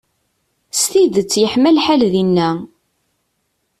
S tidet yeḥma lḥal dinna.